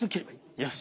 よし！